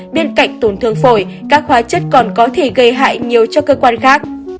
bên cạnh tổn thương phổi các hóa chất còn có thể gây hại nhiều cho cơ quan khác